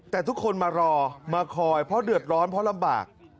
แต่ทุกคนมารอมาคอยเพราะเดือดร้อนเพราะลำบาก